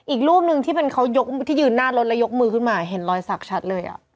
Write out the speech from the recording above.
อีกรูปนึงที่ยืนหน้ารถแล้วยกมือขึ้นมาเห็นรอยสักชัดเลยอะ